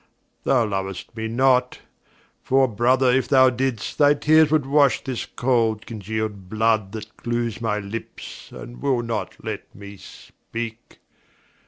Thou lou'st me not: for, Brother, if thou did'st, Thy teares would wash this cold congealed blood, That glewes my Lippes, and will not let me speake.